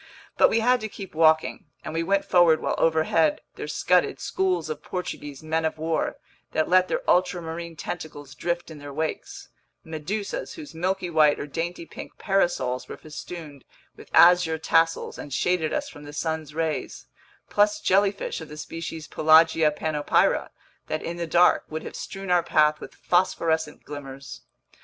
But we had to keep walking, and we went forward while overhead there scudded schools of Portuguese men of war that let their ultramarine tentacles drift in their wakes, medusas whose milky white or dainty pink parasols were festooned with azure tassels and shaded us from the sun's rays, plus jellyfish of the species Pelagia panopyra that, in the dark, would have strewn our path with phosphorescent glimmers!